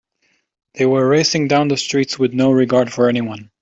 They were racing down the streets with no regard for anyone.